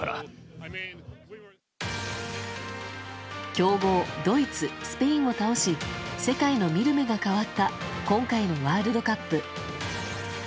強豪ドイツ、スペインを倒し世界の見る目が変わった今回のワールドカップ。